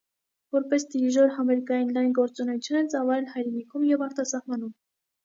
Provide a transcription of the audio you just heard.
Որպես դիրիժոր համերգային լայն գործունեություն է ծավալել հայրենիքում և արտասահմանում։